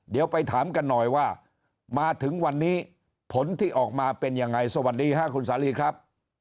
เดี๋ยวไปถามกันหน่อยว่ามาถึงวันนี้ผลที่ออกมาเป็นยังไงสวัสดีค่ะคุณสาลีครับ